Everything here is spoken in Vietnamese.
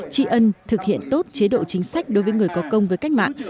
trị ân thực hiện tốt chế độ chính sách đối với người có công với cách mạng